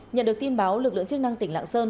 nhận được tin báo lực lượng chức năng tỉnh lạng sơn